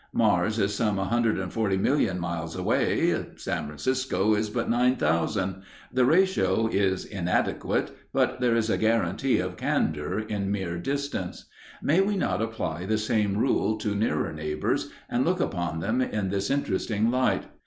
Mars is some 140,000,000 miles away San Francisco is but 9,000 the ratio is inadequate but there is a guarantee of candour in mere distance. May we not apply the same rule to nearer neighbours and look upon them in this interesting light?